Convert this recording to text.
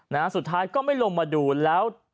นะฮะสุดท้ายก็ไม่ลงมาดูแล้ว